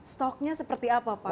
stoknya seperti apa pak